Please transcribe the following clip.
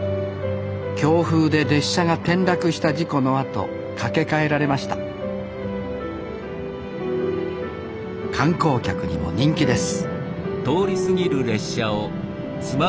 強風で列車が転落した事故のあと架け替えられました観光客にも人気です